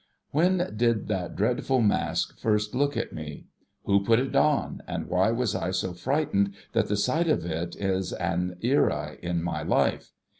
When did that dreadful Mask first look at me ? Who put it on, and why was I so frightened that the sight of it is an era in my lifb